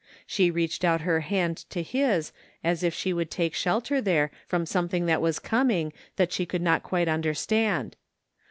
She reached out her hand to his as if she would take shelter there from something that was coming, that she could not quite understand.